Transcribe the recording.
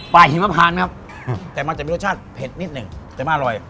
หิมพานครับแต่มันจะมีรสชาติเผ็ดนิดหนึ่งแต่มันอร่อย